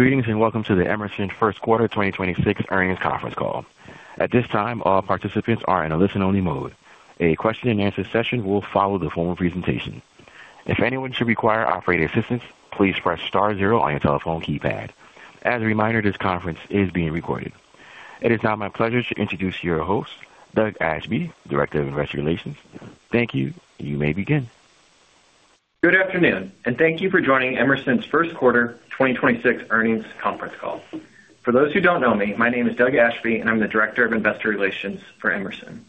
Greetings and welcome to the Emerson First Quarter 2026 Earnings Conference Call. At this time, all participants are in a listen-only mode. A question-and-answer session will follow the formal presentation. If anyone should require operator assistance, please press star zero on your telephone keypad. As a reminder, this conference is being recorded. It is now my pleasure to introduce your host, Doug Ashby, Director of Investor Relations. Thank you. You may begin. Good afternoon, and thank you for joining Emerson's First Quarter 2026 Earnings Conference Call. For those who don't know me, my name is Doug Ashby, and I'm the Director of Investor Relations for Emerson.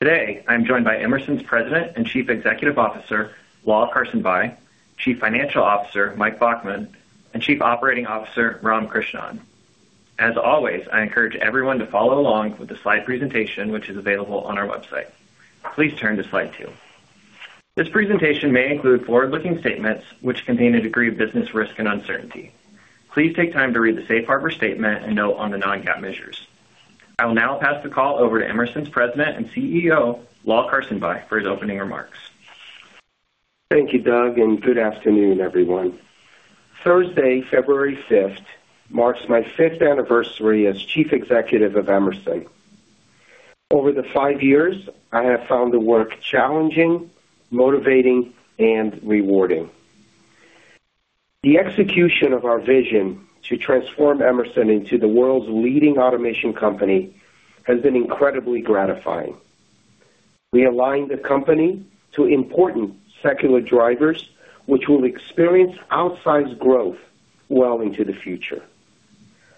Today, I'm joined by Emerson's President and Chief Executive Officer, Lal Karsanbhai, Chief Financial Officer, Mike Baughman, and Chief Operating Officer, Ram Krishnan. As always, I encourage everyone to follow along with the slide presentation, which is available on our website. Please turn to slide two. This presentation may include forward-looking statements which contain a degree of business risk and uncertainty. Please take time to read the Safe Harbor Statement and note on the non-GAAP measures. I will now pass the call over to Emerson's President and CEO, Lal Karsanbhai, for his opening remarks. Thank you, Doug, and good afternoon, everyone. Thursday, February 5th, marks my fifth anniversary as Chief Executive of Emerson. Over the five years, I have found the work challenging, motivating, and rewarding. The execution of our vision to transform Emerson into the world's leading automation company has been incredibly gratifying. We aligned the company to important secular drivers which will experience outsized growth well into the future.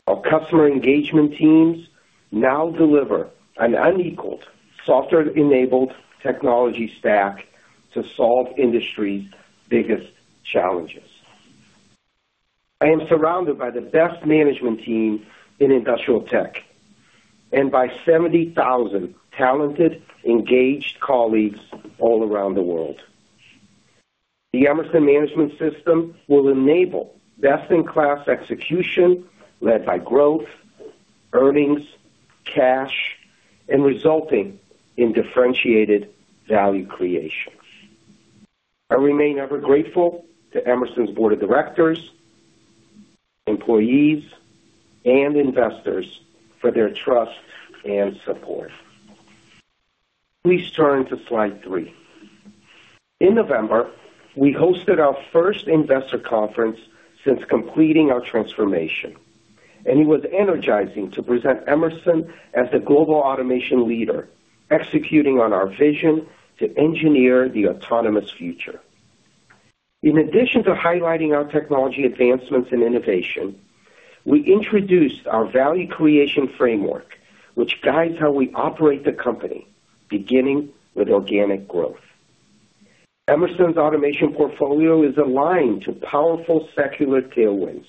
Our customer engagement teams now deliver an unequaled, software-enabled technology stack to solve industry's biggest challenges. I am surrounded by the best management team in industrial tech and by 70,000 talented, engaged colleagues all around the world. The Emerson Management System will enable best-in-class execution led by growth, earnings, cash, and resulting in differentiated value creation. I remain ever grateful to Emerson's Board of Directors, employees, and investors for their trust and support. Please turn to slide 3. In November, we hosted our first investor conference since completing our transformation, and it was energizing to present Emerson as the global automation leader executing on our vision to engineer the autonomous future. In addition to highlighting our technology advancements and innovation, we introduced our value creation framework which guides how we operate the company, beginning with organic growth. Emerson's automation portfolio is aligned to powerful secular tailwinds: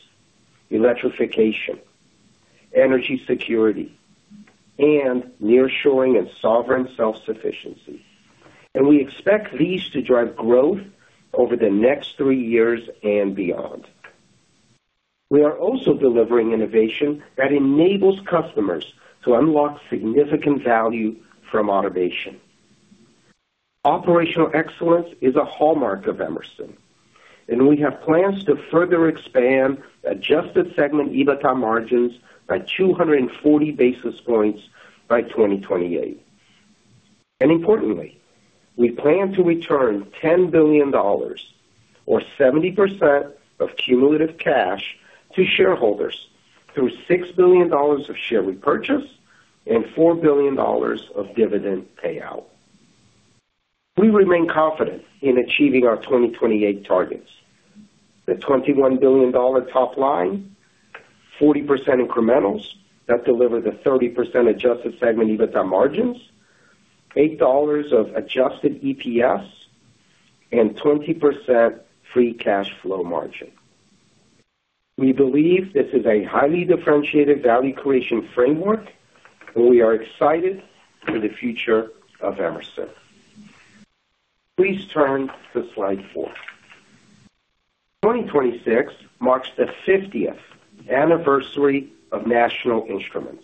electrification, energy security, and nearshoring and sovereign self-sufficiency, and we expect these to drive growth over the next three years and beyond. We are also delivering innovation that enables customers to unlock significant value from automation. Operational excellence is a hallmark of Emerson, and we have plans to further expand adjusted segment EBITDA margins by 240 basis points by 2028. Importantly, we plan to return $10 billion, or 70% of cumulative cash, to shareholders through $6 billion of share repurchase and $4 billion of dividend payout. We remain confident in achieving our 2028 targets: the $21 billion top line, 40% incrementals that deliver the 30% adjusted segment EBITDA margins, $8 of adjusted EPS, and 20% free cash flow margin. We believe this is a highly differentiated value creation framework, and we are excited for the future of Emerson. Please turn to slide 4. 2026 marks the 50th Anniversary of National Instruments,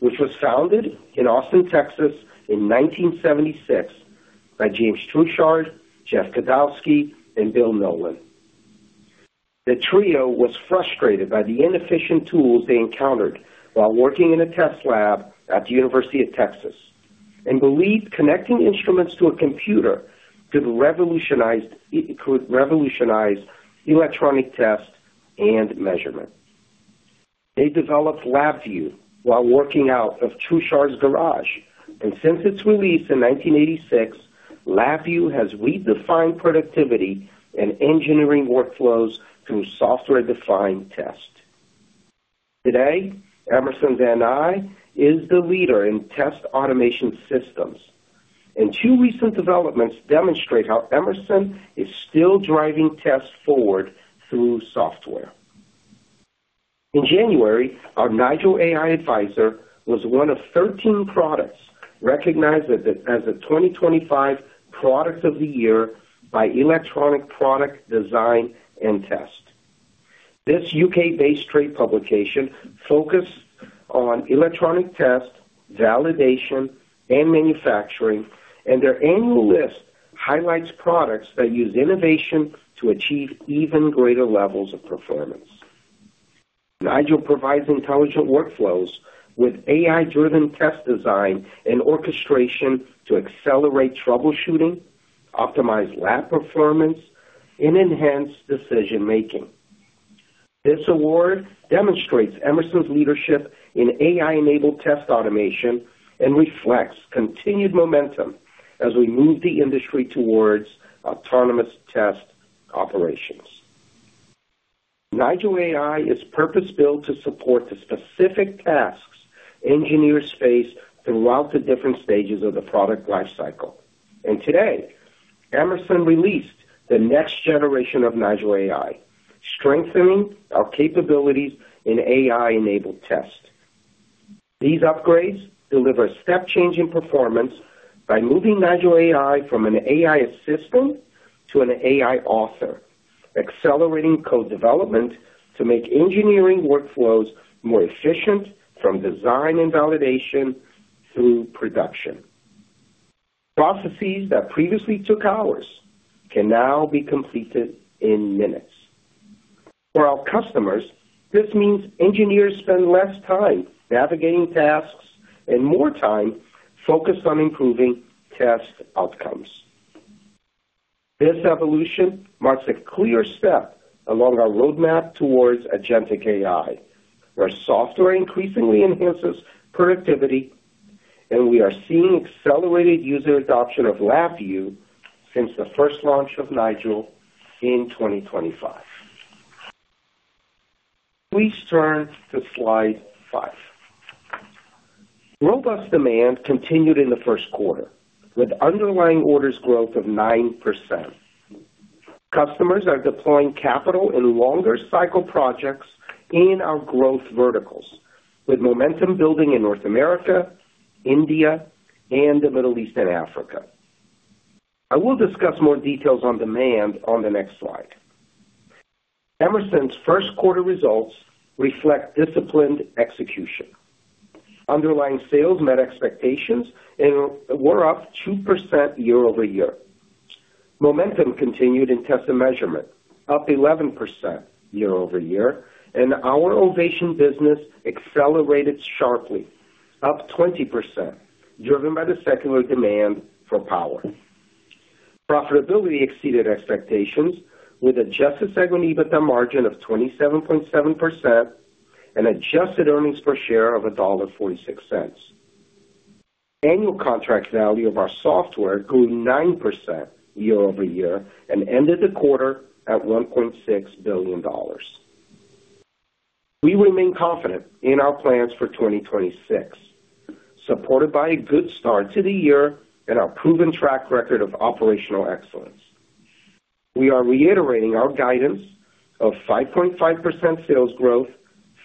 which was founded in Austin, Texas, in 1976 by James Truchard, Jeff Kodosky, and Bill Nowlin. The trio was frustrated by the inefficient tools they encountered while working in a test lab at the University of Texas and believed connecting instruments to a computer could revolutionize electronic Test and Measurement. They developed LabVIEW while working out of Truchard's garage, and since its release in 1986, LabVIEW has redefined productivity and engineering workflows through software-defined test. Today, Emerson's NI is the leader in test automation systems, and two recent developments demonstrate how Emerson is still driving tests forward through software. In January, our Nigel AI advisor was one of 13 products recognized as a 2025 Product of the Year by Electronic Product Design and Test. This U.K.-based trade publication focused on electronic test, validation, and manufacturing, and their annual list highlights products that use innovation to achieve even greater levels of performance. Nigel provides intelligent workflows with AI-driven test design and orchestration to accelerate troubleshooting, optimize lab performance, and enhance decision-making. This award demonstrates Emerson's leadership in AI-enabled test automation and reflects continued momentum as we move the industry towards autonomous test operations. Nigel AI is purpose-built to support the specific tasks engineers face throughout the different stages of the product lifecycle. Today, Emerson released the next generation of Nigel AI, strengthening our capabilities in AI-enabled test. These upgrades deliver a step-changing performance by moving Nigel AI from an AI assistant to an AI author, accelerating code development to make engineering workflows more efficient from design and validation through production. Processes that previously took hours can now be completed in minutes. For our customers, this means engineers spend less time navigating tasks and more time focused on improving test outcomes. This evolution marks a clear step along our roadmap towards Agentic AI, where software increasingly enhances productivity, and we are seeing accelerated user adoption of LabVIEW since the first launch of Nigel in 2025. Please turn to slide 5. Robust demand continued in the first quarter, with underlying orders growth of 9%. Customers are deploying capital in longer-cycle projects in our growth verticals, with momentum building in North America, India, and the Middle East and Africa. I will discuss more details on demand on the next slide. Emerson's first quarter results reflect disciplined execution. Underlying sales met expectations and were up 2% year-over-year. Momentum continued in Test and Measurement, up 11% year-over-year, and our Ovation business accelerated sharply, up 20%, driven by the secular demand for Power. Profitability exceeded expectations, with an adjusted-segment EBITDA margin of 27.7% and adjusted earnings per share of $1.46. Annual Contract Value of our software grew 9% year-over-year and ended the quarter at $1.6 billion. We remain confident in our plans for 2026, supported by a good start to the year and our proven track record of operational excellence. We are reiterating our guidance of 5.5% sales growth,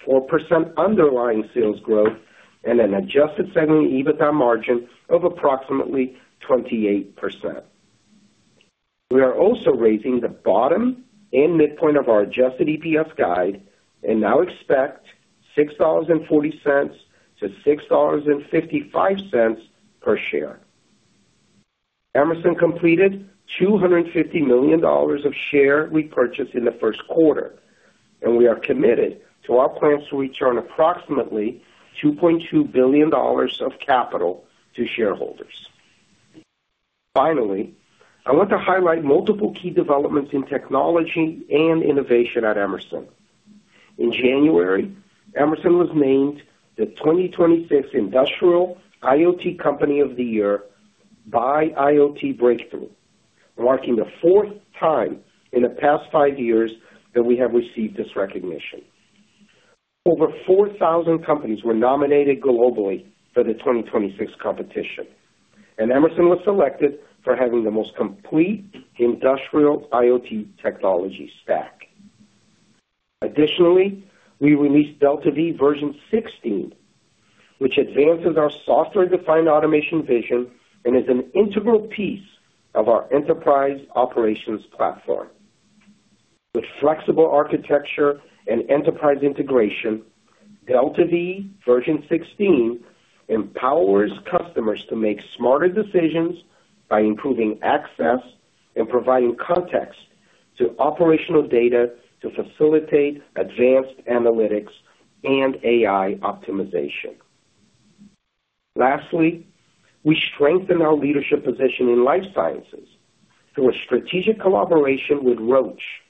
4% underlying sales growth, and an adjusted segment EBITDA margin of approximately 28%. We are also raising the bottom and midpoint of our adjusted EPS guide and now expect $6.40-$6.55 per share. Emerson completed $250 million of share repurchase in the first quarter, and we are committed to our plans to return approximately $2.2 billion of capital to shareholders. Finally, I want to highlight multiple key developments in technology and innovation at Emerson. In January, Emerson was named the 2026 Industrial IoT Company of the Year by IoT Breakthrough, marking the fourth time in the past five years that we have received this recognition. Over 4,000 companies were nominated globally for the 2026 competition, and Emerson was selected for having the most complete industrial IoT technology stack. Additionally, we released DeltaV Version 16, which advances our software-defined automation vision and is an integral piece of our enterprise operations platform. With flexible architecture and enterprise integration, DeltaV Version 16 empowers customers to make smarter decisions by improving access and providing context to operational data to facilitate advanced analytics and AI optimization. Lastly, we strengthen our leadership position in Life Sciences through a strategic collaboration with Roche,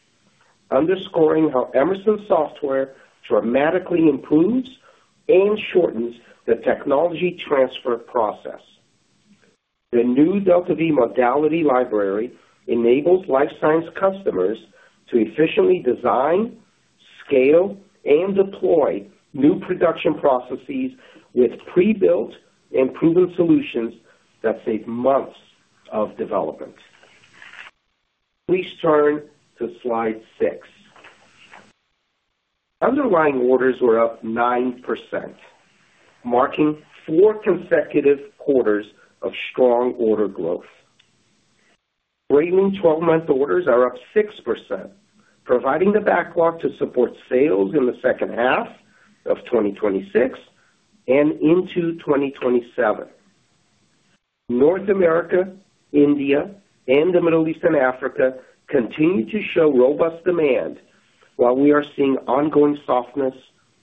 underscoring how Emerson software dramatically improves and shortens the technology transfer process. The new DeltaV Modality Library enables Life Sciences customers to efficiently design, scale, and deploy new production processes with pre-built and proven solutions that save months of development. Please turn to slide 6. Underlying orders were up 9%, marking four consecutive quarters of strong order growth. Trailing 12-month orders are up 6%, providing the backlog to support sales in the second half of 2026 and into 2027. North America, India, and the Middle East and Africa continue to show robust demand while we are seeing ongoing softness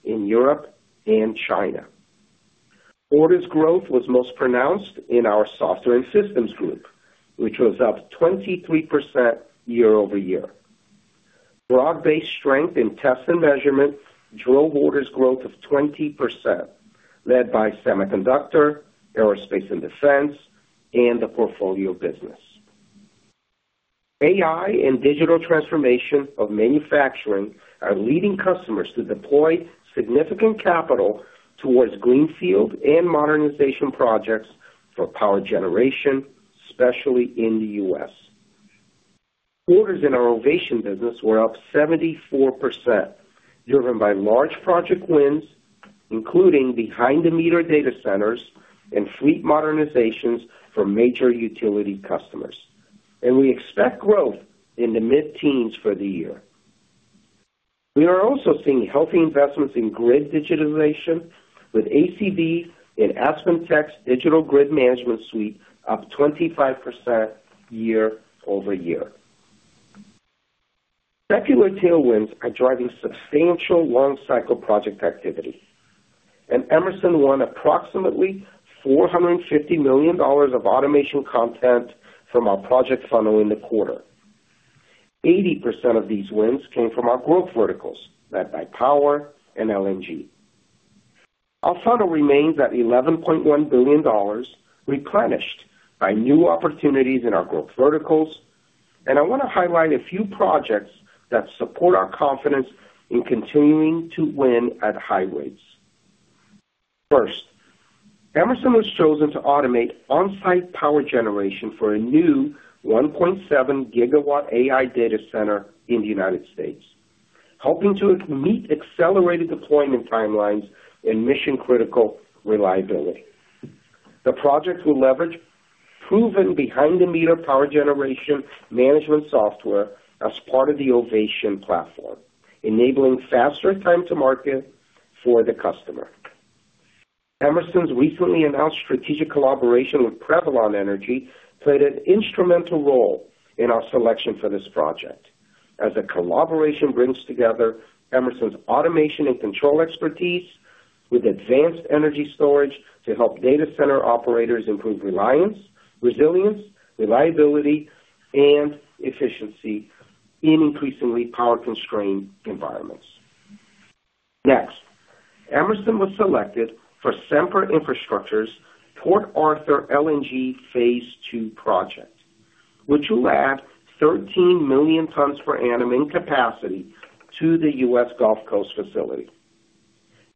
in Europe and China. Order growth was most pronounced in our Software and Systems group, which was up 23% year-over-year. Broad-based strength in Test and Measurement drove orders growth of 20%, led by Semiconductor, Aerospace and Defense, and the portfolio business. AI and digital transformation of manufacturing are leading customers to deploy significant capital towards greenfield and modernization projects for power generation, especially in the U.S. Orders in our Ovation business were up 74%, driven by large project wins, including behind-the-meter data centers and fleet modernizations for major utility customers, and we expect growth in the mid-teens for the year. We are also seeing healthy investments in grid digitization, with ACV and AspenTech's Digital Grid Management suite up 25% year-over-year. Secular tailwinds are driving substantial long-cycle project activity, and Emerson won approximately $450 million of automation content from our project funnel in the quarter. 80% of these wins came from our growth verticals led by Power and LNG. Our funnel remains at $11.1 billion, replenished by new opportunities in our growth verticals, and I want to highlight a few projects that support our confidence in continuing to win at high rates. First, Emerson was chosen to automate on-site power generation for a new 1.7-GW AI data center in the United States, helping to meet accelerated deployment timelines and mission-critical reliability. The project will leverage proven behind-the-meter power generation management software as part of the Ovation platform, enabling faster time-to-market for the customer. Emerson's recently announced strategic collaboration with Prevalon Energy played an instrumental role in our selection for this project, as the collaboration brings together Emerson's automation and control expertise with advanced energy storage to help data center operators improve reliance, resilience, reliability, and efficiency in increasingly power-constrained environments. Next, Emerson was selected for Sempra Infrastructure's Port Arthur LNG Phase II project, which will add 13 million tons per annum in capacity to the U.S. Gulf Coast facility.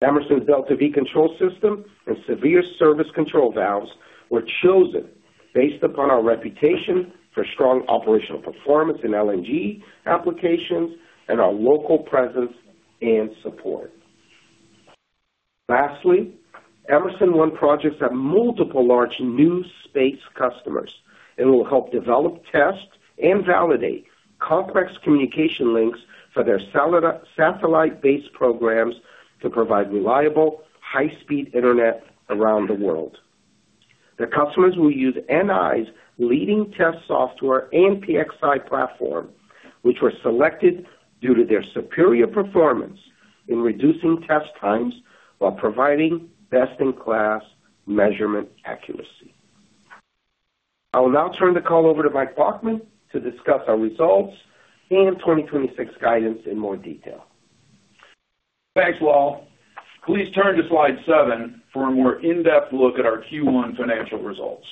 Emerson's DeltaV control system and severe service control valves were chosen based upon our reputation for strong operational performance in LNG applications and our local presence and support. Lastly, Emerson won projects that have multiple large new space customers and will help develop, test, and validate complex communication links for their satellite-based programs to provide reliable, high-speed internet around the world. The customers will use NI's leading test software and PXI platform, which were selected due to their superior performance in reducing test times while providing best-in-class measurement accuracy. I will now turn the call over to Mike Baughman to discuss our results and 2026 guidance in more detail. Thanks, Lal. Please turn to slide 7 for a more in-depth look at our Q1 financial results.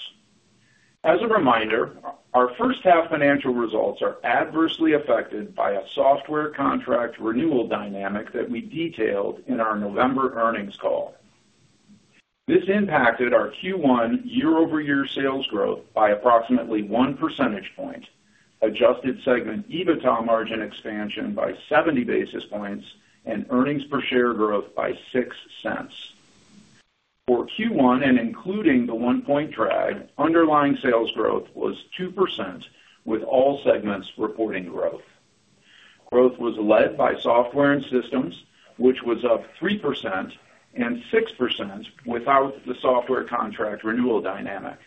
As a reminder, our first-half financial results are adversely affected by a software contract renewal dynamic that we detailed in our November earnings call. This impacted our Q1 year-over-year sales growth by approximately 1 percentage point, adjusted segment EBITDA margin expansion by 70 basis points, and earnings per share growth by $0.06. For Q1 and including the 1-point drag, underlying sales growth was 2%, with all segments reporting growth. Growth was led by software and systems, which was up 3% and 6% without the software contract renewal dynamic,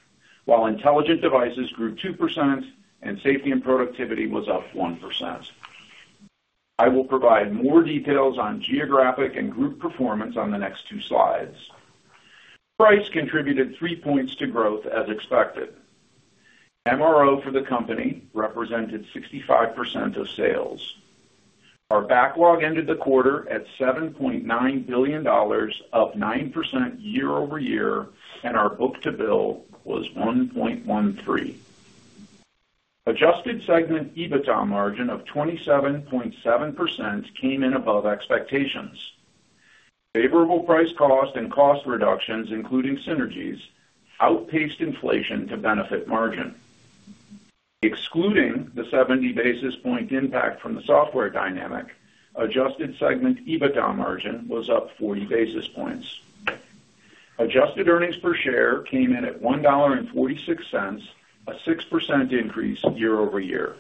while Intelligent Devices grew 2% and Safety and Productivity was up 1%. I will provide more details on geographic and group performance on the next two slides. Price contributed 3 points to growth, as expected. MRO for the company represented 65% of sales. Our backlog ended the quarter at $7.9 billion, up 9% year-over-year, and our book-to-bill was 1.13. Adjusted segment EBITDA margin of 27.7% came in above expectations. Favorable price cost and cost reductions, including synergies, outpaced inflation to benefit margin. Excluding the 70 basis points impact from the software dynamic, adjusted segment EBITDA margin was up 40 basis points. Adjusted earnings per share came in at $1.46, a 6% increase year-over-year.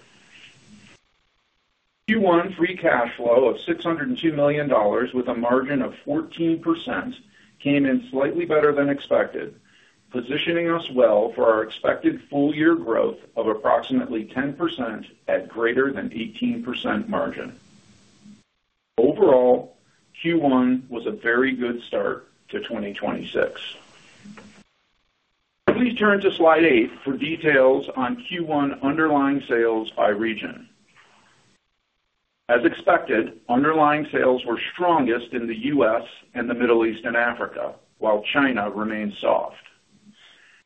Q1 free cash flow of $602 million, with a margin of 14%, came in slightly better than expected, positioning us well for our expected full-year growth of approximately 10% at greater than 18% margin. Overall, Q1 was a very good start to 2026. Please turn to slide eight for details on Q1 underlying sales by region. As expected, underlying sales were strongest in the U.S. and the Middle East and Africa, while China remained soft.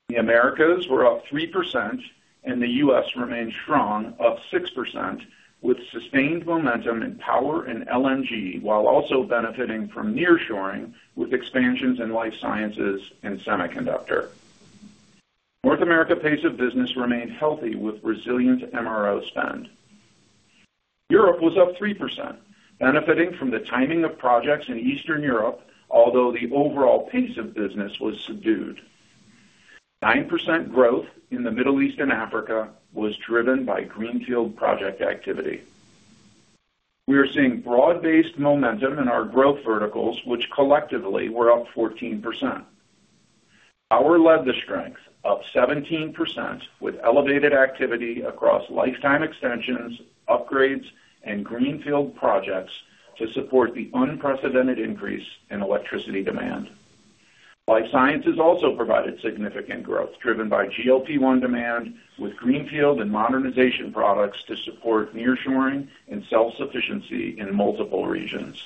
The Americas were up 3%, and the U.S. remained strong, up 6%, with sustained momentum in Power and LNG while also benefiting from nearshoring with expansions in Life Sciences and Semiconductor. North America's pace of business remained healthy, with resilient MRO spend. Europe was up 3%, benefiting from the timing of projects in Eastern Europe, although the overall pace of business was subdued. 9% growth in the Middle East and Africa was driven by Greenfield project activity. We are seeing broad-based momentum in our growth verticals, which collectively were up 14%. Power led the strength, up 17%, with elevated activity across lifetime extensions, upgrades, and greenfield projects to support the unprecedented increase in electricity demand. Life Sciences also provided significant growth, driven by GLP-1 demand, with greenfield and modernization products to support nearshoring and self-sufficiency in multiple regions.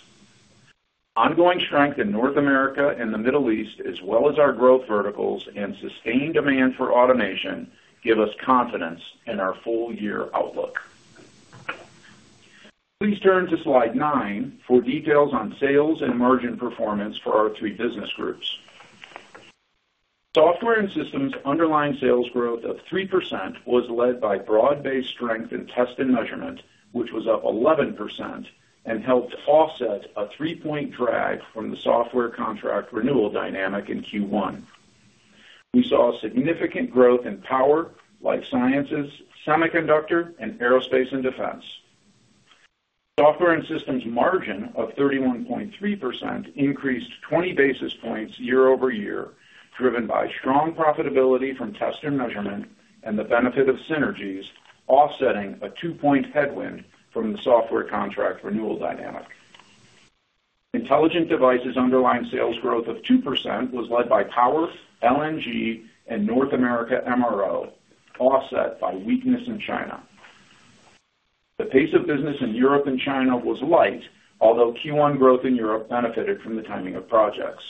Ongoing strength in North America and the Middle East, as well as our growth verticals and sustained demand for automation, give us confidence in our full-year outlook. Please turn to slide 9 for details on sales and margin performance for our three business groups. Software and systems underlying sales growth of 3% was led by broad-based strength in Test and Measurement, which was up 11%, and helped offset a 3-point drag from the software contract renewal dynamic in Q1. We saw significant growth in Power, Life Sciences, Semiconductor, and Aerospace and Defense. Software and Systems margin of 31.3% increased 20 basis points year-over-year, driven by strong profitability from Test and Measurement and the benefit of synergies, offsetting a 2-point headwind from the software contract renewal dynamic. Intelligent Devices underlying sales growth of 2% was led by Power, LNG, and North America MRO, offset by weakness in China. The pace of business in Europe and China was light, although Q1 growth in Europe benefited from the timing of projects.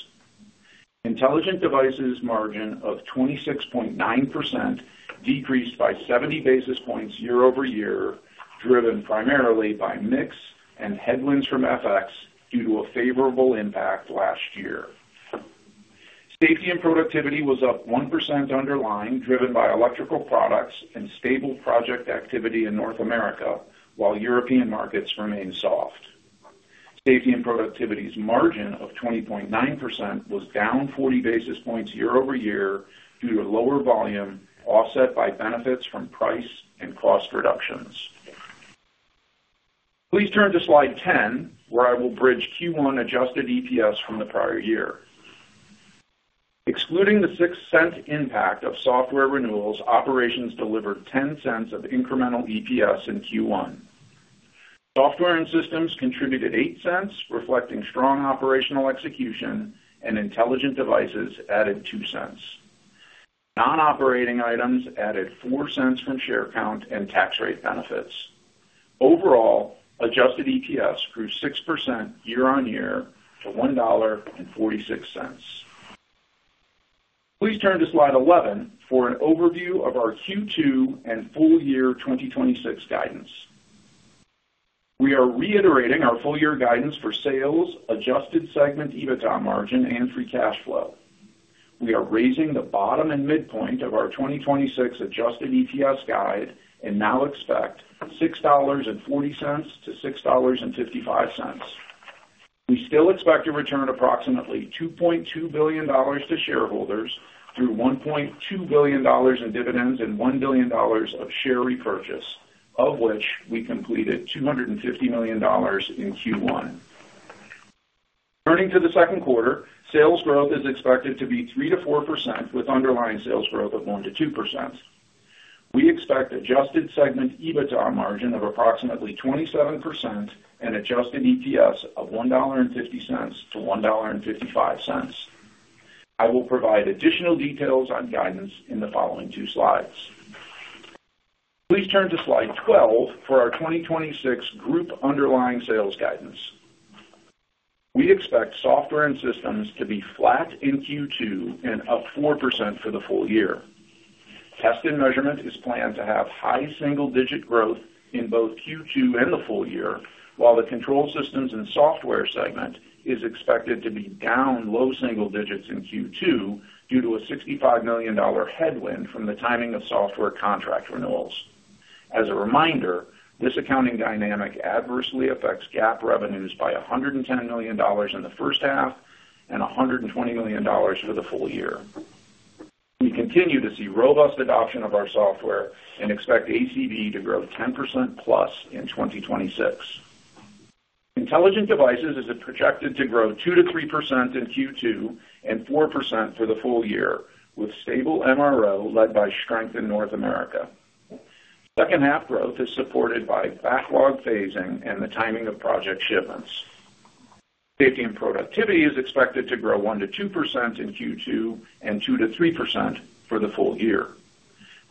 Intelligent Devices margin of 26.9% decreased by 70 basis points year-over-year, driven primarily by mix and headwinds from FX due to a favorable impact last year. Safety and Productivity was up 1% underlying, driven by electrical products and stable project activity in North America, while European markets remained soft. Safety and Productivity's margin of 20.9% was down 40 basis points year-over-year due to lower volume, offset by benefits from price and cost reductions. Please turn to slide 10, where I will bridge Q1 adjusted EPS from the prior year. Excluding the $0.06 impact of software renewals, operations delivered $0.10 of incremental EPS in Q1. Software and Systems contributed $0.08, reflecting strong operational execution, and Intelligent Devices added $0.02. Non-operating items added $0.04 from share count and tax rate benefits. Overall, adjusted EPS grew 6% year-over-year to $1.46. Please turn to slide 11 for an overview of our Q2 and full-year 2026 guidance. We are reiterating our full-year guidance for sales, Adjusted Segment EBITDA margin, and Free Cash Flow. We are raising the bottom and midpoint of our 2026 Adjusted EPS guide and now expect $6.40-$6.55. We still expect to return approximately $2.2 billion to shareholders through $1.2 billion in dividends and $1 billion of share repurchase, of which we completed $250 million in Q1. Turning to the second quarter, sales growth is expected to be 3%-4%, with underlying sales growth of 1%-2%. We expect Adjusted Segment EBITDA margin of approximately 27% and Adjusted EPS of $1.50-$1.55. I will provide additional details on guidance in the following two slides. Please turn to slide 12 for our 2026 group underlying sales guidance. We expect Software and Systems to be flat in Q2 and up 4% for the full year. Test and Measurement is planned to have high single-digit growth in both Q2 and the full year, while the Control Systems and Software segment is expected to be down low single digits in Q2 due to a $65 million headwind from the timing of software contract renewals. As a reminder, this accounting dynamic adversely affects GAAP revenues by $110 million in the first half and $120 million for the full year. We continue to see robust adoption of our software and expect ACV to grow 10%+ in 2026. Intelligent devices is projected to grow 2%-3% in Q2 and 4% for the full year, with stable MRO led by strength in North America. Second-half growth is supported by backlog phasing and the timing of project shipments. Safety and Productivity is expected to grow 1%-2% in Q2 and 2%-3% for the full year.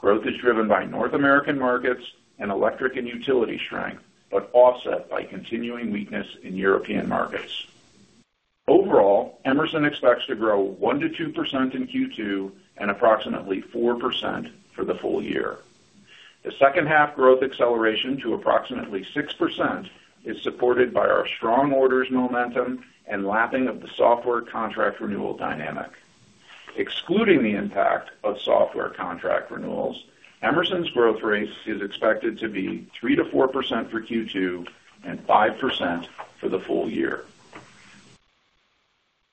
Growth is driven by North American markets and electric and utility strength, but offset by continuing weakness in European markets. Overall, Emerson expects to grow 1%-2% in Q2 and approximately 4% for the full year. The second-half growth acceleration to approximately 6% is supported by our strong orders momentum and lapping of the software contract renewal dynamic. Excluding the impact of software contract renewals, Emerson's growth rate is expected to be 3%-4% for Q2 and 5% for the full year.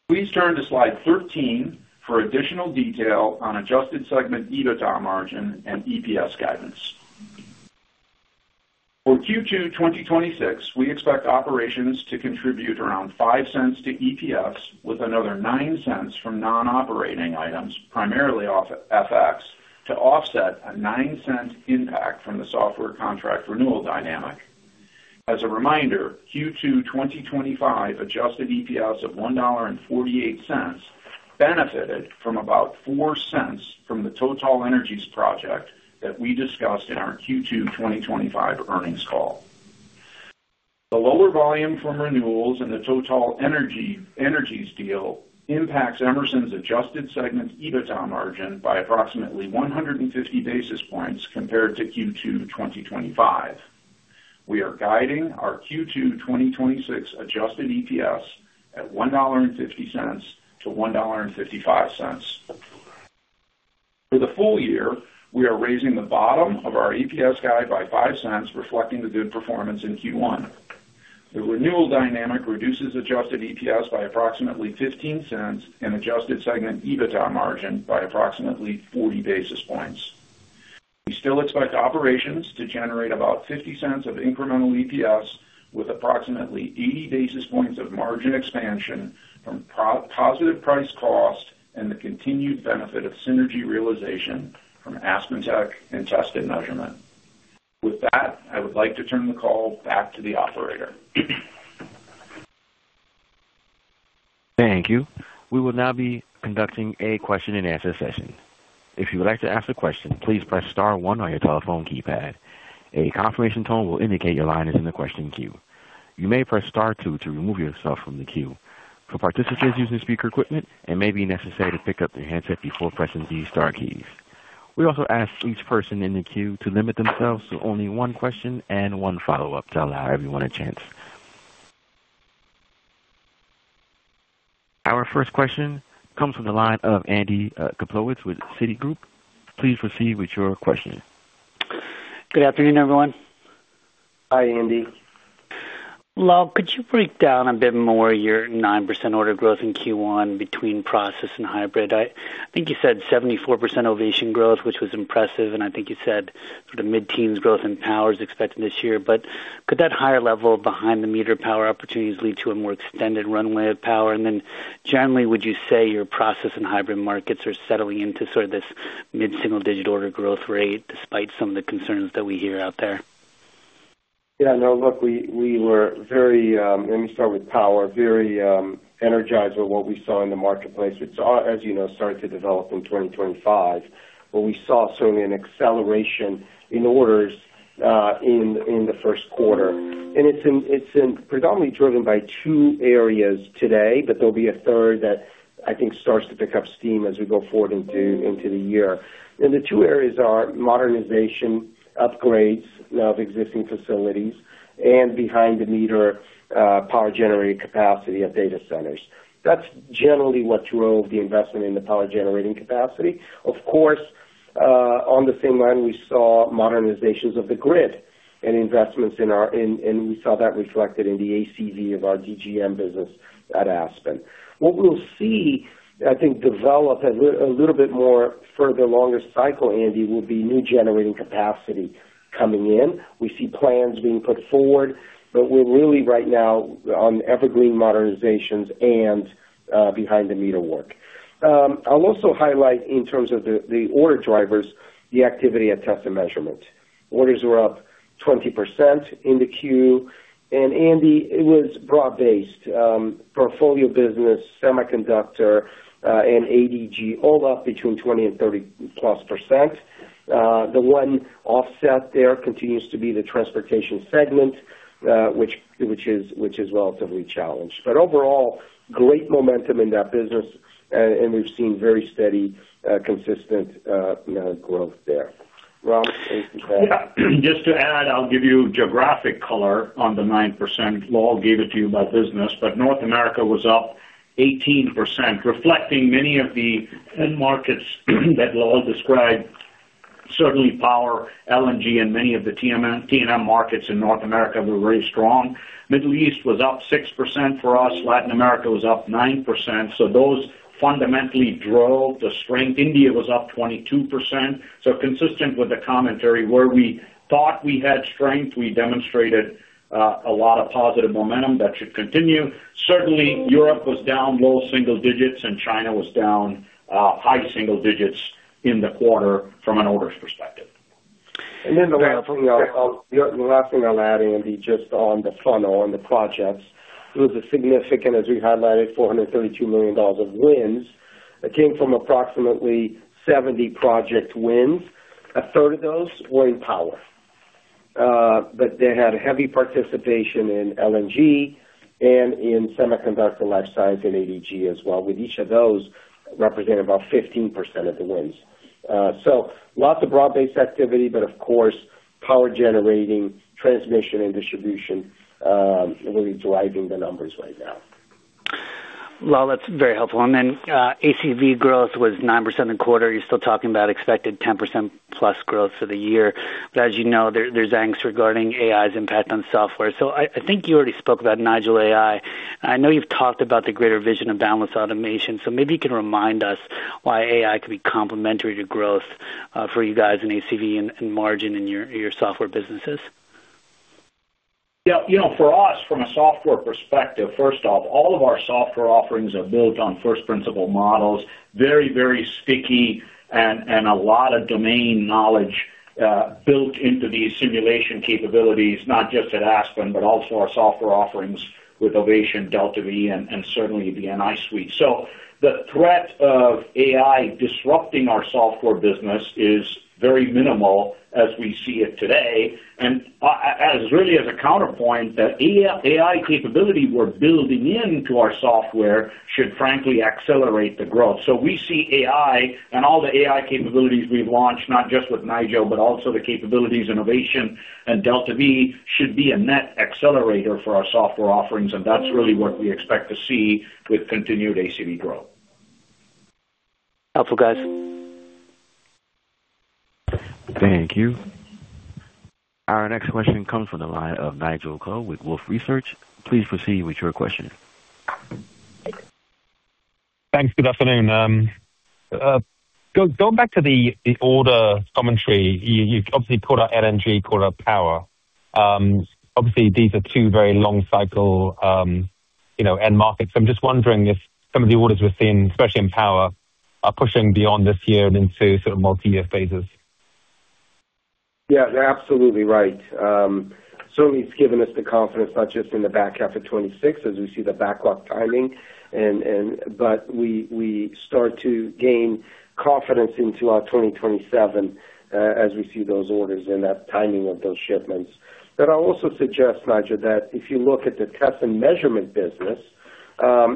Please turn to slide 13 for additional detail on adjusted segment EBITDA margin and EPS guidance. For Q2 2026, we expect operations to contribute around $0.05 to EPS, with another $0.09 from non-operating items, primarily FX, to offset a $0.09 impact from the software contract renewal dynamic. As a reminder, Q2 2025 adjusted EPS of $1.48 benefited from about $0.04 from the TotalEnergies project that we discussed in our Q2 2025 earnings call. The lower volume from renewals and the TotalEnergies deal impacts Emerson's adjusted segment EBITDA margin by approximately 150 basis points compared to Q2 2025. We are guiding our Q2 2026 adjusted EPS at $1.50-$1.55. For the full year, we are raising the bottom of our EPS guide by $0.05, reflecting the good performance in Q1. The renewal dynamic reduces adjusted EPS by approximately $0.15 and adjusted segment EBITDA margin by approximately 40 basis points. We still expect operations to generate about $0.50 of incremental EPS, with approximately 80 basis points of margin expansion from positive price cost and the continued benefit of synergy realization from AspenTech and Test and Measurement. With that, I would like to turn the call back to the operator. Thank you. We will now be conducting a question-and-answer session. If you would like to ask a question, please press star one on your telephone keypad. A confirmation tone will indicate your line is in the question queue. You may press star two to remove yourself from the queue. For participants using speaker equipment, it may be necessary to pick up their handset before pressing these star keys. We also ask each person in the queue to limit themselves to only one question and one follow-up to allow everyone a chance. Our first question comes from the line of Andy Kaplowitz with Citigroup. Please proceed with your question. Good afternoon, everyone. Hi, Andy. Lal, could you break down a bit more your 9% order growth in Q1 between process and hybrid? I think you said 74% Ovation growth, which was impressive, and I think you said sort of mid-teens growth in Power is expected this year. But could that higher level behind-the-meter Power opportunities lead to a more extended runway of power? And then, generally, would you say your process and hybrid markets are settling into sort of this mid-single-digit order growth rate despite some of the concerns that we hear out there? Yeah. No, look, we were very let me start with Power. Very energized with what we saw in the marketplace. It's, as you know, starting to develop in 2025, but we saw certainly an acceleration in orders in the first quarter. It's predominantly driven by two areas today, but there'll be a third that I think starts to pick up steam as we go forward into the year. The two areas are modernization, upgrades of existing facilities, and behind-the-meter power generating capacity at data centers. That's generally what drove the investment in the power generating capacity. Of course, on the same line, we saw modernizations of the grid and investments in our and we saw that reflected in the ACV of our DGM business at Aspen. What we'll see, I think, develop a little bit more further, longer cycle, Andy, will be new generating capacity coming in. We see plans being put forward, but we're really right now on evergreen modernizations and behind-the-meter work. I'll also highlight, in terms of the order drivers, the activity at Test and Measurement. Orders were up 20% in the queue. And, Andy, it was broad-based. Portfolio business, Semiconductor, and ADG, all up between 20% and 30%+ percent. The one offset there continues to be the Transportation segment, which is relatively challenged. But overall, great momentum in that business, and we've seen very steady, consistent growth there. Ram, anything to add? Yeah. Just to add, I'll give you geographic color on the 9%. Lal gave it to you about business, but North America was up 18%, reflecting many of the end markets that Lal described. Certainly, Power, LNG, and many of the T&M markets in North America were very strong. Middle East was up 6% for us. Latin America was up 9%. So, those fundamentally drove the strength. India was up 22%. So consistent with the commentary, where we thought we had strength, we demonstrated a lot of positive momentum that should continue. Certainly, Europe was down low single digits, and China was down high single digits in the quarter from an orders perspective. And then the last thing I'll add, Andy, just on the funnel, on the projects, it was a significant, as we highlighted, $432 million of wins. It came from approximately 70 project wins. A third of those were in Power. But they had heavy participation in LNG and in Semiconductor, Life Science, and ADG as well, with each of those representing about 15% of the wins. So, lots of broad-based activity, but of course, power generating, transmission and distribution will be driving the numbers right now. Lal, that's very helpful. And then ACV growth was 9% in the quarter. You're still talking about expected 10%+ growth for the year. But as you know, there's angst regarding AI's impact on software. So, I think you already spoke about Nigel AI. I know you've talked about the greater vision of balanced automation. So, maybe you can remind us why AI could be complementary to growth for you guys in ACV and margin in your software businesses. Yeah. For us, from a software perspective, first off, all of our software offerings are built on first-principle models, very, very sticky, and a lot of domain knowledge built into these simulation capabilities, not just at Aspen, but also our software offerings with Ovation, DeltaV, and certainly the NI suite. So, the threat of AI disrupting our software business is very minimal as we see it today. And really, as a counterpoint, that AI capability we're building into our software should, frankly, accelerate the growth. So, we see AI and all the AI capabilities we've launched, not just with Nigel, but also the capabilities in Ovation and DeltaV, should be a net accelerator for our software offerings. And that's really what we expect to see with continued ACV growth. Helpful, guys. Thank you. Our next question comes from the line of Nigel Coe with Wolfe Research. Please proceed with your question. Thanks. Good afternoon. Going back to the order commentary, you've obviously caught up LNG, caught up Power. Obviously, these are two very long-cycle end markets. So, I'm just wondering if some of the orders we're seeing, especially in Power, are pushing beyond this year and into sort of multi-year phases. Yeah. You're absolutely right. Certainly, it's given us the confidence, not just in the back half of 2026, as we see the backlog timing, but we start to gain confidence into our 2027 as we see those orders and that timing of those shipments. But I'll also suggest, Nigel, that if you look at the Test and Measurement business, there are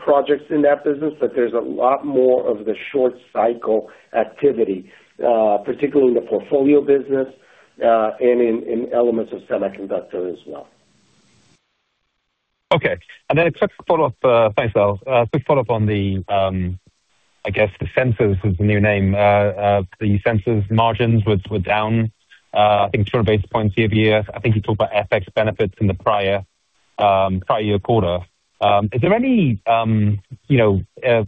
projects in that business, but there's a lot more of the short-cycle activity, particularly in the portfolio business and in elements of Semiconductor as well. Okay. And then a quick follow-up thanks, Lal. A quick follow-up on, I guess, the Sensors is the new name. The Sensors margins were down, I think, 200 basis points year-to-year. I think you talked about FX benefits in the prior-year quarter. Is there any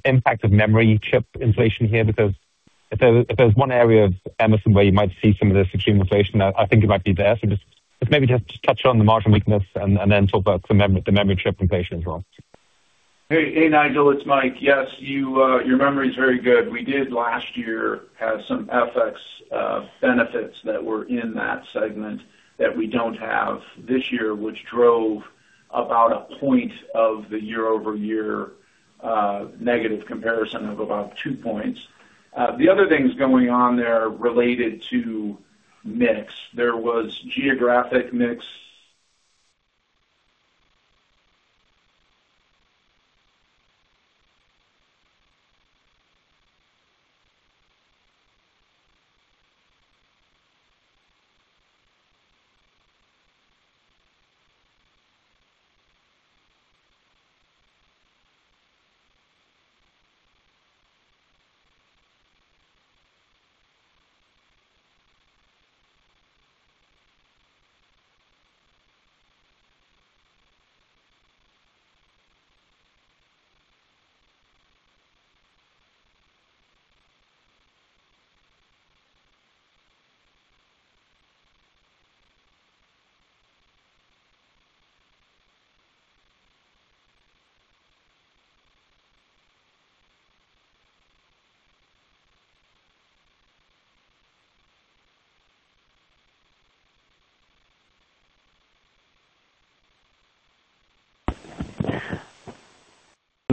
impact of memory chip inflation here? Because if there's one area of Emerson where you might see some of this extreme inflation, I think it might be there. So, just maybe just touch on the margin weakness and then talk about the memory chip inflation as well. Hey, Nigel. It's Mike. Yes, your memory is very good. We did, last year, have some FX benefits that were in that segment that we don't have this year, which drove about a point of the year-over-year negative comparison of about two points. The other things going on there related to mix, there was geographic mix.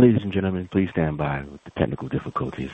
Ladies and gentlemen, please stand by with the technical difficulties.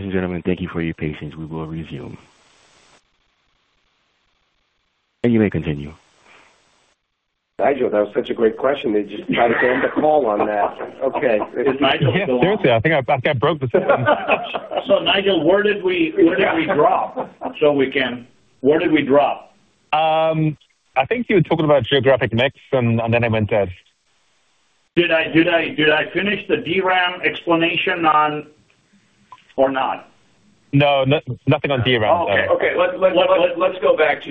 Ladies and gentlemen, thank you for your patience. We will resume. You may continue. Nigel, that was such a great question. They just tried to end the call on that. Okay. Seriously, I think I broke the system. So, Nigel, where did we drop so we can where did we drop? I think you were talking about geographic mix, and then I went dead. Did I finish the DRAM explanation or not? No, nothing on DRAM, sir. Okay. Okay. Let's go back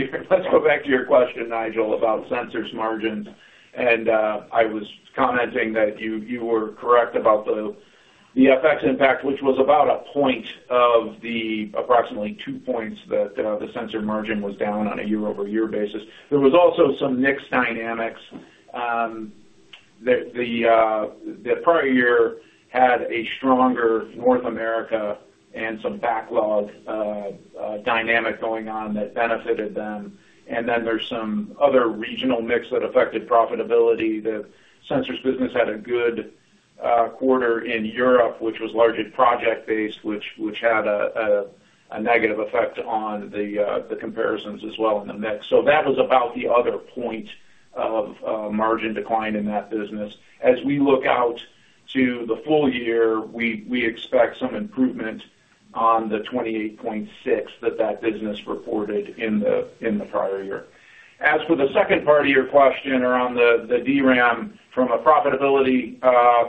to your question, Nigel, about sensors margins. And I was commenting that you were correct about the FX impact, which was about 1 point of the approximately 2 points that the sensor margin was down on a year-over-year basis. There was also some mix dynamics. The prior year had a stronger North America and some backlog dynamic going on that benefited them. And then there's some other regional mix that affected profitability. The sensors business had a good quarter in Europe, which was largely project-based, which had a negative effect on the comparisons as well in the mix. So, that was about the other point of margin decline in that business. As we look out to the full year, we expect some improvement on the 28.6% that that business reported in the prior year. As for the second part of your question around the DRAM, from a profitability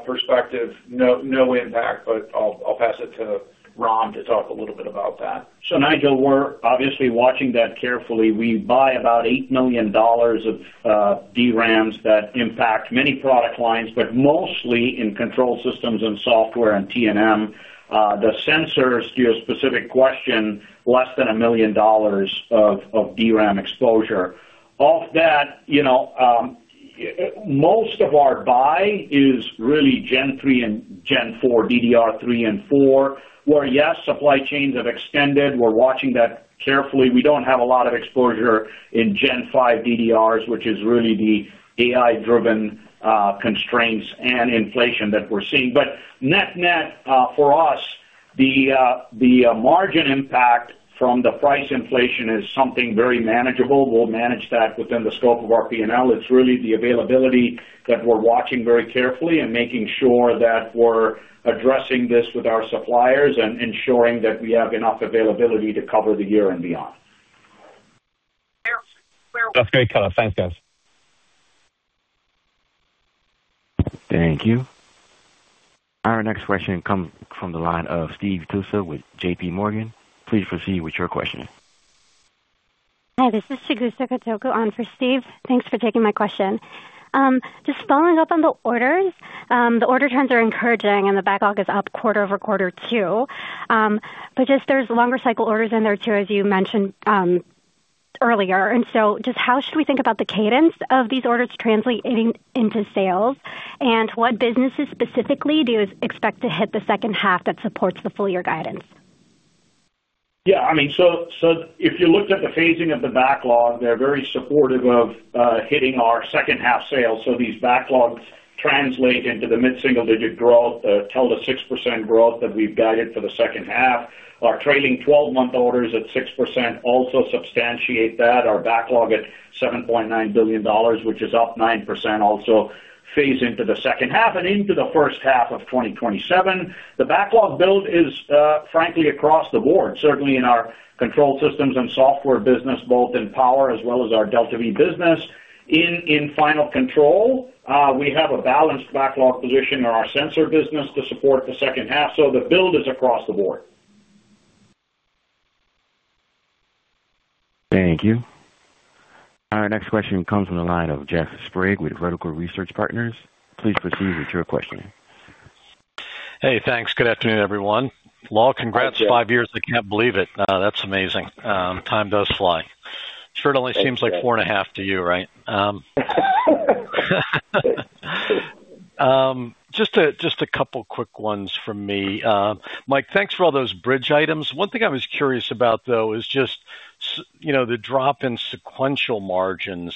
perspective, no impact, but I'll pass it to Ram to talk a little bit about that. So, Nigel, we're obviously watching that carefully. We buy about $8 million of DRAMs that impact many product lines, but mostly in control systems and software and T&M. The sensors, to your specific question, less than $1 million of DRAM exposure. Off that, most of our buy is really Gen 3 and Gen 4, DDR3 and DDR4, where, yes, supply chains have extended. We're watching that carefully. We don't have a lot of exposure in Gen 5 DDRs, which is really the AI-driven constraints and inflation that we're seeing. But net-net, for us, the margin impact from the price inflation is something very manageable. We'll manage that within the scope of our P&L. It's really the availability that we're watching very carefully and making sure that we're addressing this with our suppliers and ensuring that we have enough availability to cover the year and beyond. That's great color. Thanks, guys. Thank you. Our next question comes from the line of Steve Tusa with JPMorgan. Please proceed with your question. Hi. This is Chigusa Katoku on for Steve. Thanks for taking my question. Just following up on the orders, the order trends are encouraging, and the backlog is up quarter-over-quarter too. But just there's longer-cycle orders in there too, as you mentioned earlier. Just how should we think about the cadence of these orders translating into sales, and what businesses specifically do expect to hit the second half that supports the full-year guidance? Yeah. I mean, so if you looked at the phasing of the backlog, they're very supportive of hitting our second-half sales. So, these backlogs translate into the mid-single-digit growth, the EBITDA 6% growth that we've guided for the second half. Our trailing 12-month orders at 6% also substantiate that. Our backlog at $7.9 billion, which is up 9%, also phase into the second half and into the first half of 2027. The backlog build is, frankly, across the board, certainly in our control systems and software business, both in Power as well as our DeltaV business. In final control, we have a balanced backlog position in our Sensor business to support the second half. The build is across the board. Thank you. Our next question comes from the line of Jeffrey Sprague with Vertical Research Partners. Please proceed with your question. Hey. Thanks. Good afternoon, everyone. Lal, congrats. Five years. I can't believe it. That's amazing. Time does fly. It sure only seems like four and a half to you, right? Just a couple quick ones from me. Mike, thanks for all those bridge items. One thing I was curious about, though, is just the drop in sequential margins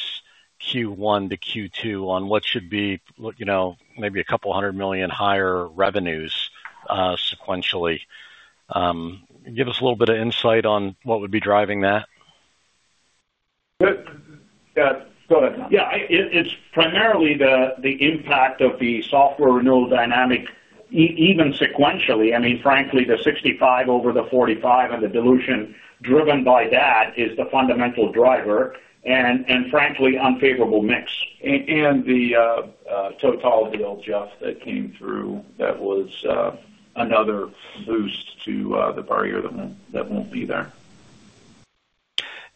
Q1 to Q2 on what should be maybe $200 million higher revenues sequentially. Give us a little bit of insight on what would be driving that. Yeah. Go ahead, Ram. Yeah. It's primarily the impact of the software renewal dynamic, even sequentially. I mean, frankly, the 65 over the 45 and the dilution driven by that is the fundamental driver and, frankly, unfavorable mix. And the Total deal, Jeff, that came through, that was another boost to the prior year that won't be there.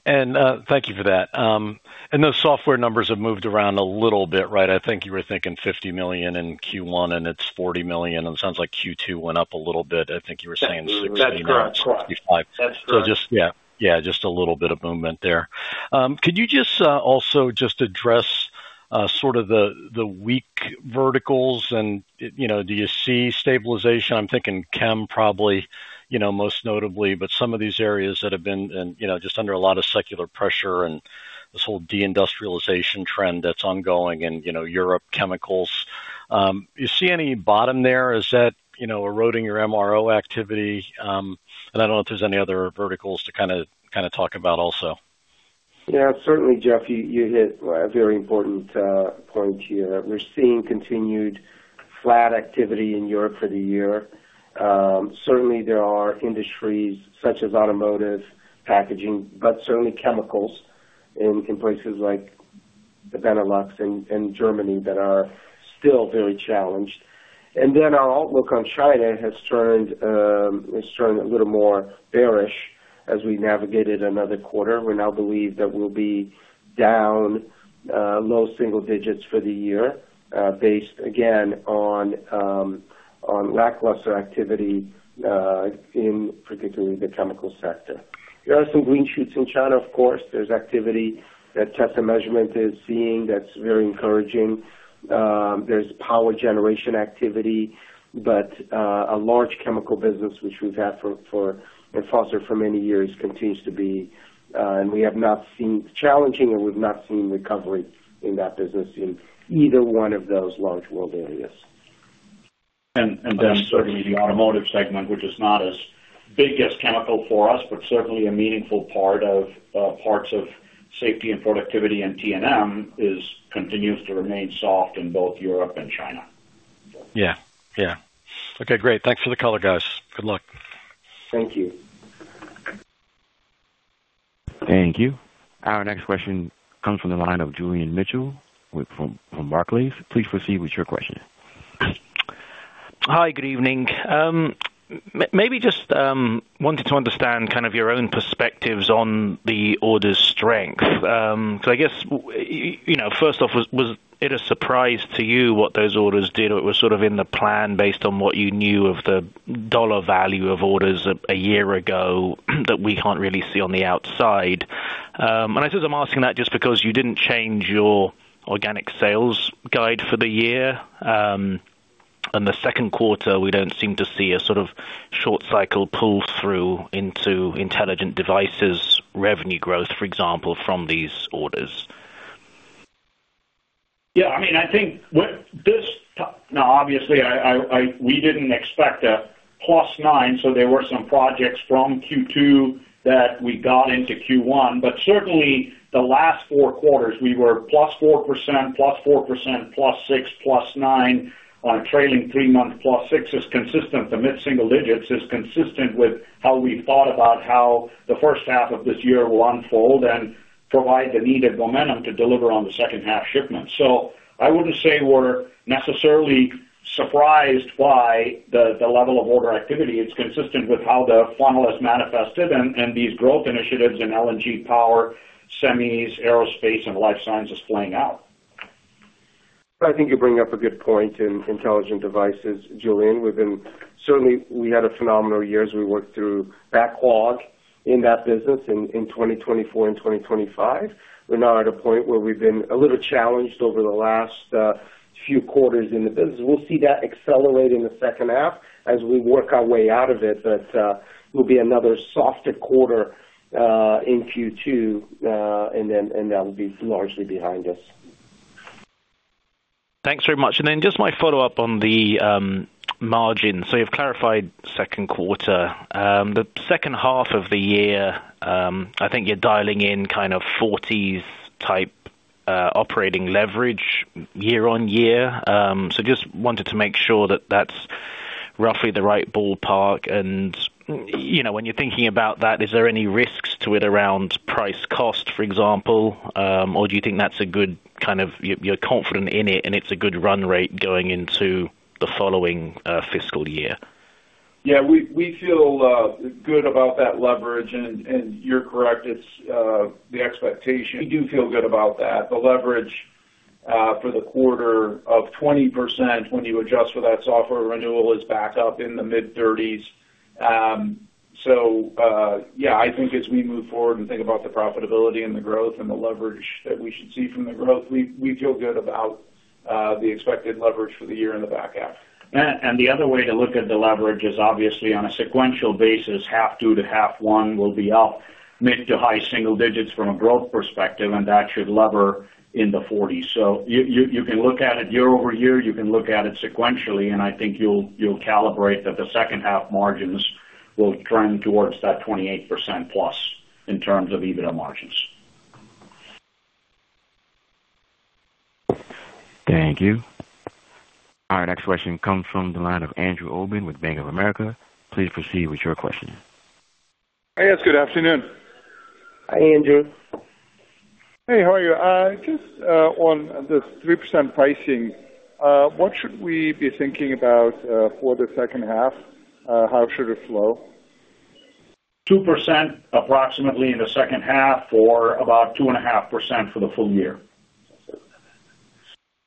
And thank you for that. And those software numbers have moved around a little bit, right? I think you were thinking $50 million in Q1, and it's $40 million. And it sounds like Q2 went up a little bit. I think you were saying $60 million. No. That's correct. $65 million. So yeah. Yeah. Just a little bit of movement there. Could you also just address sort of the weak verticals? And do you see stabilization? I'm thinking chem probably most notably, but some of these areas that have been just under a lot of secular pressure and this whole deindustrialization trend that's ongoing in Europe, Chemicals. Do you see any bottom there? Is that eroding your MRO activity? And I don't know if there's any other verticals to kind of talk about also. Yeah. Certainly, Jeff, you hit a very important point here. We're seeing continued flat activity in Europe for the year. Certainly, there are industries such as Automotive, Packaging, but certainly Chemicals in places like Benelux and Germany that are still very challenged. And then our outlook on China has turned a little more bearish as we navigated another quarter. We now believe that we'll be down low single digits for the year based, again, on lackluster activity in particularly the Chemical sector. There are some green shoots in China, of course. There's activity that Test and Measurement is seeing that's very encouraging. There's power generation activity. But a large Chemical business, which we've had in our portfolio for many years, continues to be challenging, and we've not seen recovery in that business in either one of those large world areas. And then certainly the Automotive segment, which is not as big as Chemical for us, but certainly a meaningful part of Safety and Productivity in T&M, continues to remain soft in both Europe and China. Yeah. Yeah. Okay. Great. Thanks for the color, guys. Good luck. Thank you. Thank you. Our next question comes from the line of Julian Mitchell from Barclays. Please proceed with your question. Hi. Good evening. Maybe just wanted to understand kind of your own perspectives on the order's strength. Because I guess, first off, was it a surprise to you what those orders did, or it was sort of in the plan based on what you knew of the dollar value of orders a year ago that we can't really see on the outside? And I suppose I'm asking that just because you didn't change your organic sales guide for the year. And the second quarter, we don't seem to see a sort of short-cycle pull through into Intelligent Devices revenue growth, for example, from these orders. Yeah. I mean, I think this now, obviously, we didn't expect a +9%. So, there were some projects from Q2 that we got into Q1. But certainly, the last four quarters, we were +4%, +4%, +6%, +9% on a trailing three-month +6%. The mid-single digits is consistent with how we thought about how the first half of this year will unfold and provide the needed momentum to deliver on the second-half shipments. So, I wouldn't say we're necessarily surprised by the level of order activity. It's consistent with how the funnel has manifested and these growth initiatives in LNG, Power, Semis, Aerospace, and Life Sciences playing out. I think you bring up a good point in Intelligent Devices, Julian. Certainly, we had a phenomenal year as we worked through backlog in that business in 2024 and 2025. We're now at a point where we've been a little challenged over the last few quarters in the business. We'll see that accelerate in the second half as we work our way out of it. But it will be another softer quarter in Q2, and that will be largely behind us. Thanks very much. And then just my follow-up on the margins. So, you've clarified second quarter. The second half of the year, I think you're dialing in kind of 40s-type operating leverage year-on-year. So, just wanted to make sure that that's roughly the right ballpark. And when you're thinking about that, is there any risks to it around price cost, for example? Or do you think that's a good kind of you're confident in it, and it's a good run rate going into the following fiscal year? Yeah. We feel good about that leverage. And you're correct. It's the expectation. Do feel good about that. The leverage for the quarter of 20% when you adjust for that software renewal is back up in the mid-30s. So yeah. I think as we move forward and think about the profitability and the growth and the leverage that we should see from the growth, we feel good about the expected leverage for the year in the back half. The other way to look at the leverage is, obviously, on a sequential basis, half 2 to half 1 will be up mid- to high-single digits from a growth perspective, and that should lever in the 40s. So, you can look at it year-over-year. You can look at it sequentially. I think you'll calibrate that the second-half margins will trend towards that 28%+ in terms of EBITDA margins. Thank you. Our next question comes from the line of Andrew Obin with Bank of America. Please proceed with your question. Hey. Good afternoon. Hi, Andrew. Hey. How are you? Just on the 3% pricing, what should we be thinking about for the second half? How should it flow? 2% approximately in the second half or about 2.5% for the full year.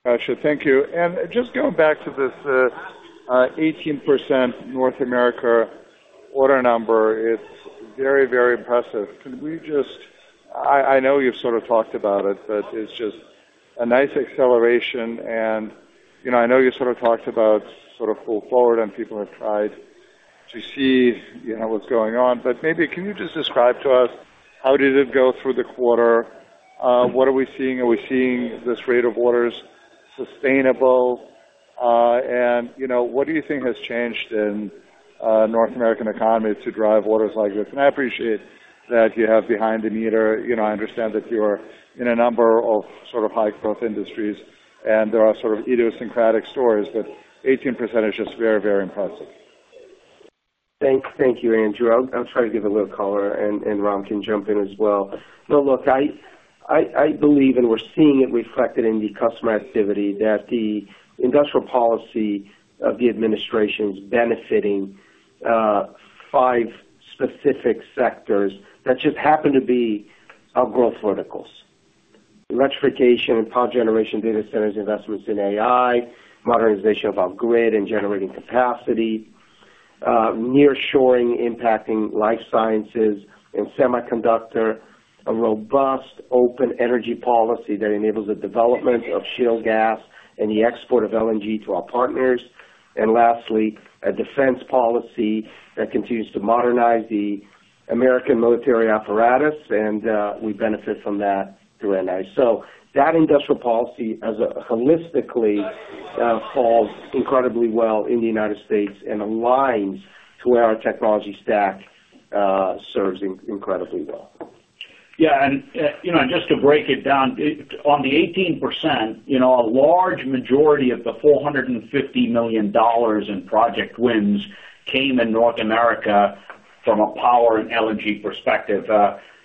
Gotcha. Thank you. Just going back to this 18% North America order number, it's very, very impressive. I know you've sort of talked about it, but it's just a nice acceleration. And I know you sort of talked about sort of full forward, and people have tried to see what's going on. But maybe can you just describe to us, how did it go through the quarter? What are we seeing? Are we seeing this rate of orders sustainable? And what do you think has changed in North American economy to drive orders like this? And I appreciate that you have behind the meter. I understand that you are in a number of sort of high-growth industries, and there are sort of idiosyncratic stories. But 18% is just very, very impressive. Thank you, Andrew. I'll try to give a little color, and Ram can jump in as well. No, look. I believe, and we're seeing it reflected in the customer activity, that the industrial policy of the administration's benefiting five specific sectors that just happen to be our growth verticals: electrification and power generation, data centers, investments in AI, modernization of our grid and generating capacity, nearshoring impacting Life Sciences and Semiconductor, a robust open energy policy that enables the development of shale gas and the export of LNG to our partners. And lastly, a defense policy that continues to modernize the American military apparatus. And we benefit from that through NI. So, that industrial policy, holistically, falls incredibly well in the United States and aligns to where our technology stack serves incredibly well. Yeah. And just to break it down, on the 18%, a large majority of the $450 million in project wins came in North America from a Power and LNG perspective.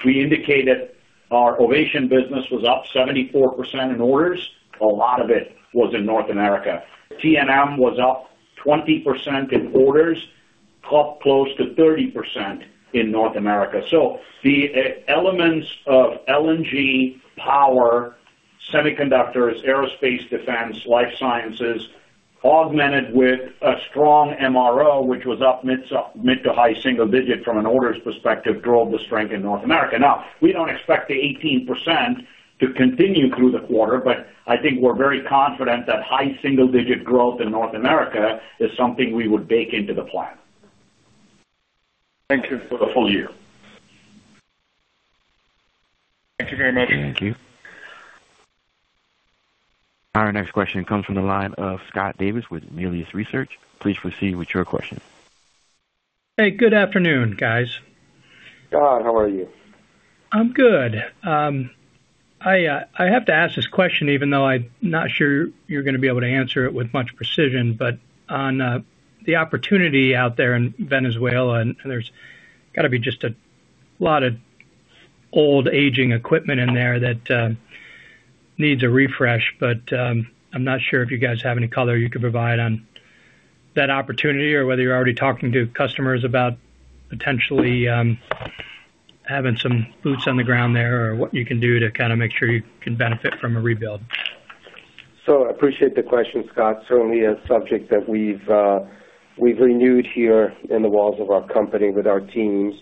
We indicated our Ovation business was up 74% in orders. A lot of it was in North America. T&M was up 20% in orders, close to 30% in North America. So, the elements of LNG, Power, Semiconductors, Aerospace, Defense, Life Sciences, augmented with a strong MRO, which was up mid- to high-single-digit from an orders perspective, drove the strength in North America. Now, we don't expect the 18% to continue through the quarter, but I think we're very confident that high single-digit growth in North America is something we would bake into the plan. Thank you. For the full year. Thank you very much. Thank you. Our next question comes from the line of Scott Davis with Melius Research. Please proceed with your question. Hey. Good afternoon, guys. Scott, how are you? I'm good. I have to ask this question, even though I'm not sure you're going to be able to answer it with much precision. But on the opportunity out there in Venezuela, and there's got to be just a lot of old, aging equipment in there that needs a refresh. But I'm not sure if you guys have any color you could provide on that opportunity or whether you're already talking to customers about potentially having some boots on the ground there or what you can do to kind of make sure you can benefit from a rebuild. So, I appreciate the question, Scott. Certainly, a subject that we've renewed here in the walls of our company with our teams.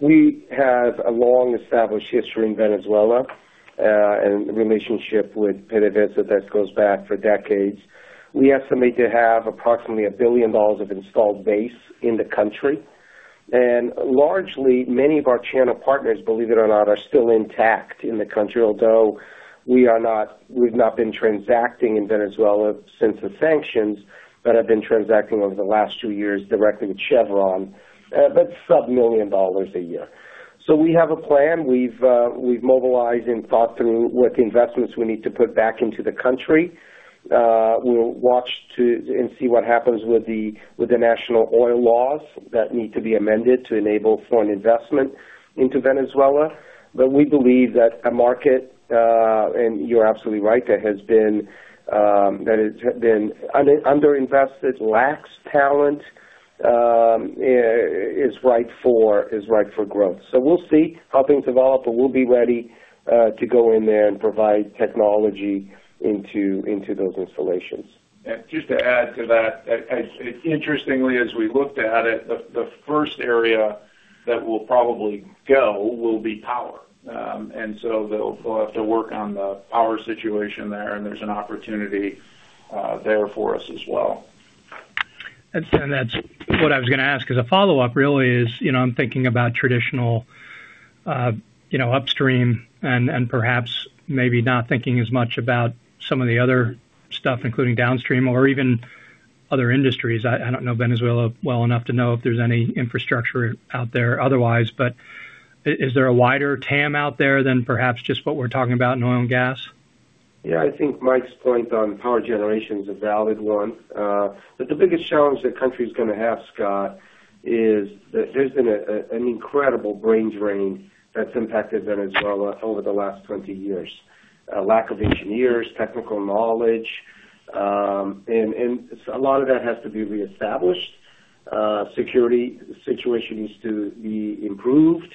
We have a long-established history in Venezuela and a relationship with PDVSA that goes back for decades. We estimate to have approximately $1 billion of installed base in the country. And largely, many of our China partners, believe it or not, are still intact in the country, although we've not been transacting in Venezuela since the sanctions but have been transacting over the last few years directly with Chevron, but sub-$1 million a year. So, we have a plan. We've mobilized and thought through what the investments we need to put back into the country. We'll watch and see what happens with the national oil laws that need to be amended to enable foreign investment into Venezuela. But we believe that a market—and you're absolutely right—that has been underinvested, lacks talent, is ripe for growth. So, we'll see how things develop, but we'll be ready to go in there and provide technology into those installations. And just to add to that, interestingly, as we looked at it, the first area that will probably go will be Power. And so, they'll have to work on the power situation there, and there's an opportunity there for us as well. And that's what I was going to ask as a follow-up, really, is I'm thinking about traditional upstream and perhaps maybe not thinking as much about some of the other stuff, including downstream or even other industries. I don't know Venezuela well enough to know if there's any infrastructure out there otherwise. But is there a wider TAM out there than perhaps just what we're talking about in oil and gas? Yeah. I think Mike's point on power generation is a valid one. But the biggest challenge the country's going to have, Scott, is that there's been an incredible brain drain that's impacted Venezuela over the last 20 years: lack of engineers, technical knowledge. And a lot of that has to be reestablished. Security situation needs to be improved,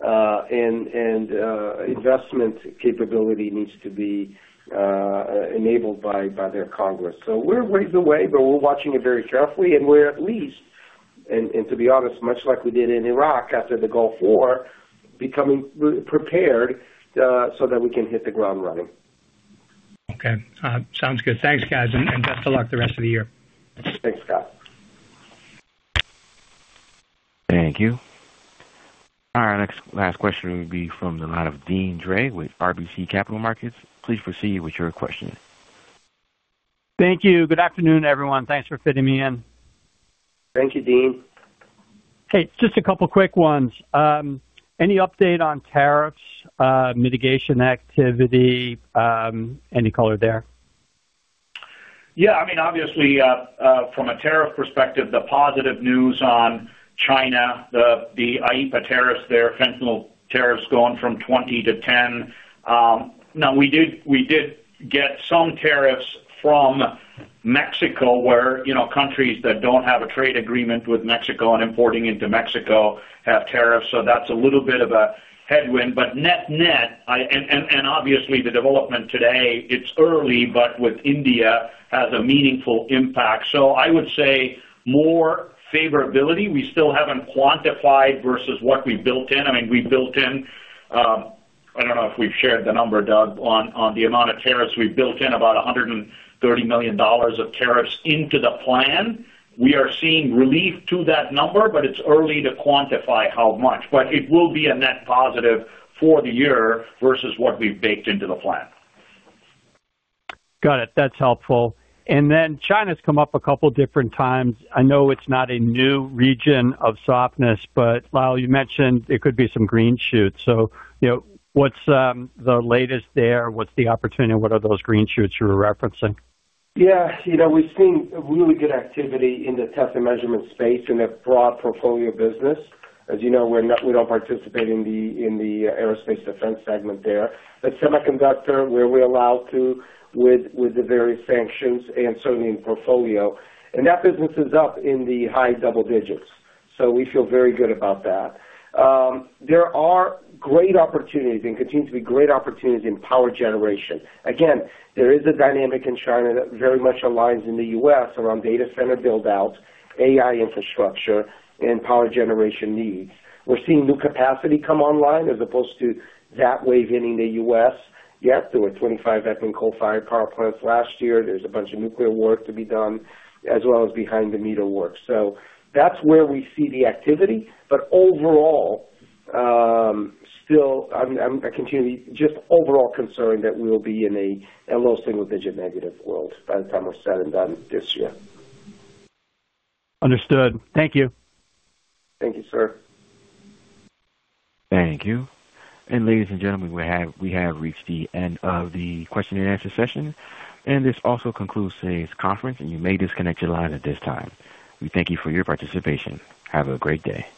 and investment capability needs to be enabled by their Congress. So, we're ways away, but we're watching it very carefully. And we're at least, and to be honest, much like we did in Iraq after the Gulf War, becoming prepared so that we can hit the ground running. Okay. Sounds good. Thanks, guys. And best of luck the rest of the year. Thanks, Scott. Thank you. Our next last question will be from the line of Deane Dray with RBC Capital Markets. Please proceed with your question. Thank you. Good afternoon, everyone. Thanks for fitting me in. Thank you, Deane. Hey. Just a couple quick ones. Any update on tariffs, mitigation activity, any color there? Yeah. I mean, obviously, from a tariff perspective, the positive news on China, the AIPA tariffs there, fentanyl tariffs going from 20% to 10%. Now, we did get some tariffs from Mexico where countries that don't have a trade agreement with Mexico and importing into Mexico have tariffs. So, that's a little bit of a headwind. But net-net, and obviously, the development today, it's early, but with India, has a meaningful impact. So, I would say more favorability. We still haven't quantified versus what we built in. I mean, we built in. I don't know if we've shared the number, Doug, on the amount of tariffs we built in, about $130 million of tariffs into the plan. We are seeing relief to that number, but it's early to quantify how much. But it will be a net positive for the year versus what we've baked into the plan. Got it. That's helpful. And then China's come up a couple different times. I know it's not a new region of softness, but, Lal, you mentioned it could be some green shoots. So what's the latest there? What's the opportunity? What are those green shoots you were referencing? Yeah. We've seen really good activity in the Test and Measurement space and the broad portfolio business. As you know, we don't participate in the Aerospace Defense segment there. The Semiconductor, where we're allowed to with the various sanctions and certainly in portfolio. And that business is up in the high double digits. So, we feel very good about that. There are great opportunities and continue to be great opportunities in power generation. Again, there is a dynamic in China that very much aligns in the U.S. around data center buildout, AI infrastructure, and power generation needs. We're seeing new capacity come online as opposed to that wave hitting the U.S. Yep. There were 25 ethane coal-fired power plants last year. There's a bunch of nuclear work to be done as well as behind-the-meter work. So that's where we see the activity. But overall, still, I'm just overall concerned that we'll be in a low single-digit negative world by the time we're said and done this year. Understood. Thank you. Thank you, sir. Thank you. Ladies and gentlemen, we have reached the end of the question-and-answer session. This also concludes today's conference, and you may disconnect your line at this time. We thank you for your participation. Have a great day.